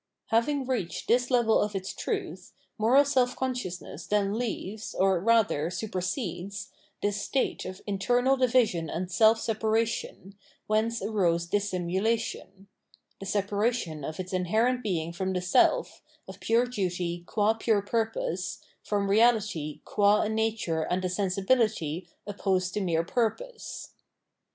Having reached this level of its truth, moral self consciousness then leaves, or rather supersedes, this state of internal division and self separation, whence arose dissimulation — the separation of its inherent being from the self, of pure duty, qua pure purpose, from reality qm a nature and a sensibility opposed to mere purpose.